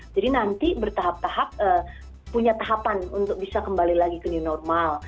jadi nanti bertahap tahap punya tahapan untuk bisa kembali lagi ke new normal